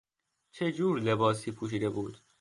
چه جور لباسی پوشیده بود؟